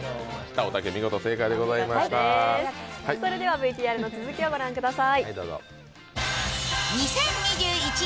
ＶＴＲの続きを御覧ください。